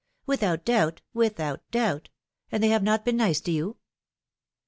"Without doubt, without doubt! And they have not been nice to you